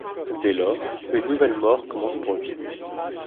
Dès lors, une nouvelle mort commence pour lui...